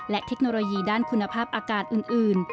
และเทคโนโลยีด้านคุณภาพอากาศอื่น